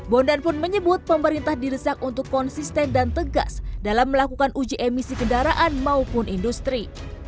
bondan pun menyebut pemerintah diresak untuk konsisten dan tegas dalam melakukan uji emisi kendaraan maupun industri